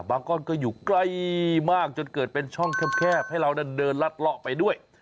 ก้อนก็อยู่ใกล้มากจนเกิดเป็นช่องแคบให้เรานั้นเดินลัดเลาะไปด้วย